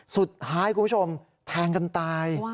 สุดท้ายคุณผู้ชมแทงกันตาย